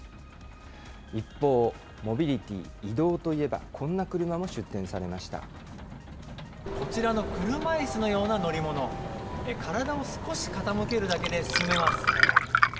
一方、モビリティ・移動といえば、こちらの車いすのような乗り物、体を少し傾けるだけで進めます。